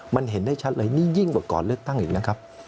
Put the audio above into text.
มันเห็นได้ชัดเลยนี่ยิ่งกว่าก่อนเลือกตั้งอีกนะครับ